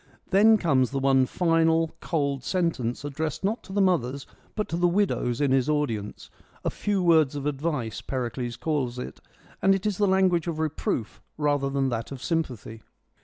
Then comes the one final cold sentence addressed not to the mothers, but to the widows in his audience :' a few words of advice/ Pericles calls it, and it is the language of reproof rather than that of sympathy.